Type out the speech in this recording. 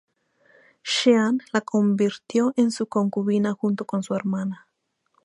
Xian la convirtió en su concubina junto con su hermana.